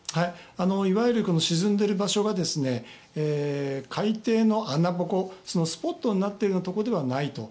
いわゆる沈んでいる場所が海底の穴ぼこスポットになっているようなところではないと。